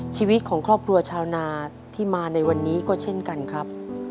ชีวิตของครอบครัวชาวนาที่มาในวันนี้ก็เช่นกันครับ